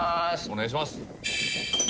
お願いします。